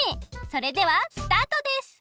それではスタートです！